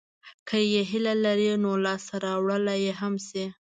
که یې هیله لرئ نو لاسته راوړلای یې هم شئ.